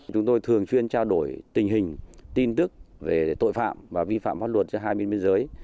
chúng tôi thường xuyên trao đổi tình hình tin tức về tội phạm và vi phạm pháp luật giữa hai bên biên giới